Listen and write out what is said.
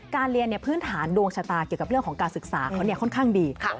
เรียนพื้นฐานดวงชะตาเกี่ยวกับเรื่องของการศึกษาเขาค่อนข้างดี